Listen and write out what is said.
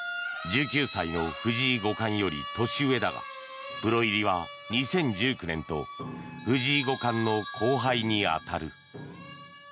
１９歳の藤井五冠より年上だがプロ入りは２０１９年と藤井五冠の後輩に当たる。